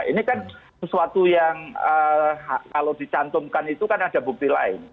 ini kan sesuatu yang kalau dicantumkan itu kan ada bukti lain